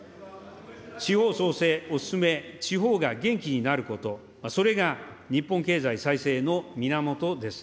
地方創生を進め、地方が元気になること、それが日本経済再生の源です。